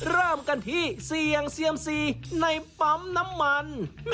เริ่มกันที่เสี่ยงเซียมซีในปั๊มน้ำมัน